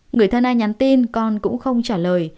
người thân ai nhắn tin con cũng không trả lời